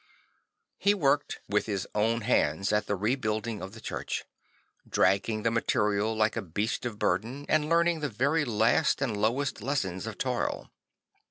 He worked with his own hands at the rebuilding of the church, dragging the material like a beast of burden and learning the very last and lo\vest lessons of toil.